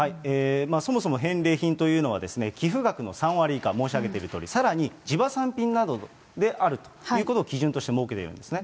そもそも返礼品というのは、寄付額の３割以下、申し上げているとおり、さらに、地場産品などであるということを基準として設けてるんですね。